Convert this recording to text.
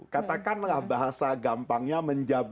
katakanlah bahasa gampangnya